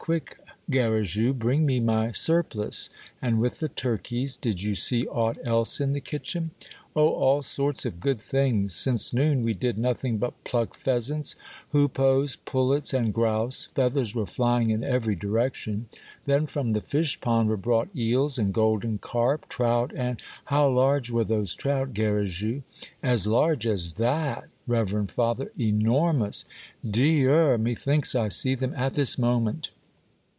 Quick, Garrigou ! bring me my surpHce. And with the turkeys, did you see aught else in the kitchen?" " Oh, all sorts of good things. Since noon we did nothing but pluck pheasants, hoopoes, pullets, and grouse ; feathers were flying in every direction ; then from the fish pond were brought eels and golden carp, trout and —"" How large were those trout, Garrigou ?"" As large as that, reverend father, enormous !"^' Dieu! methinks I see them at this moment.